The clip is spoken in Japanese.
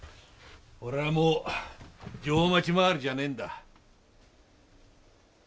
俺はもう定町廻りじゃねえんだ。